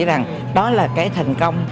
rằng đó là cái thành công